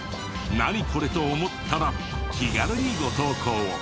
「ナニコレ？」と思ったら気軽にご投稿を。